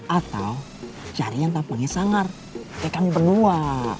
atau cari yang tampangnya sangar kayak kami berdua